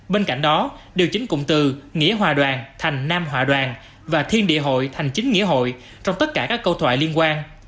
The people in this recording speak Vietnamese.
bên cạnh đó điều chính cụm từ nghĩa hòa đoàn thành nam hòa đoàn và thiên địa hội thành chính nghĩa hội trong tất cả các câu thoại liên quan